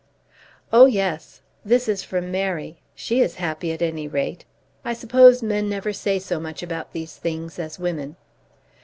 "Oh, yes. This is from Mary. She is happy at any rate. I suppose men never say so much about these things as women."